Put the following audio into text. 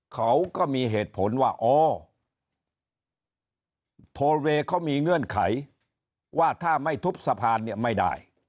เขาก็มีเหตุผลว่าอ๋อโทเวย์เขามีเงื่อนไขว่าถ้าไม่ทุบสะพานเนี่ยไม่ได้